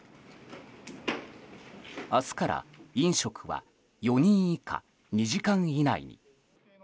明日から、飲食は４人以下２時間以内に。